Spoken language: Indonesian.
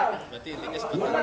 berarti intinya sempat sempat